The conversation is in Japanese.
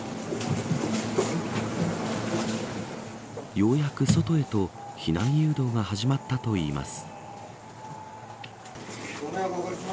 ようやく外へと避難誘導が始まったといいます。